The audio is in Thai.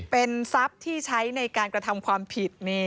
เป็นทรัพย์ที่ใช้ในการกระทำความผิด